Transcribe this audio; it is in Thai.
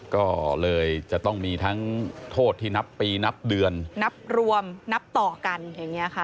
ก็เลยจะต้องมีทั้งโทษที่นับปีนับเดือนนับรวมนับต่อกันอย่างนี้ค่ะ